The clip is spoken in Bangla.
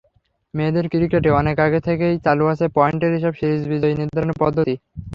মেয়েদের ক্রিকেটে অনেক আগে থেকেই চালু আছে পয়েন্টের হিসাবে সিরিজ বিজয়ী নির্ধারণের পদ্ধতি।